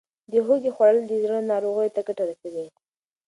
د هوږې خوړل د زړه ناروغیو ته ګټه رسوي.